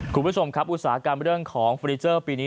คุณผู้ชมครับอุตสาหกรรมเรื่องของฟอร์นิเจอร์ปีนี้